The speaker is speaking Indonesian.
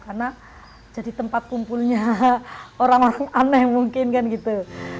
karena jadi tempat kumpulnya orang orang aneh mungkin kan gitu